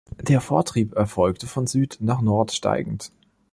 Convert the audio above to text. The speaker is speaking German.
Der Vortrieb erfolgte von Süd nach Nord steigend.